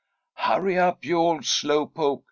"Hurry up, you old slow poke!"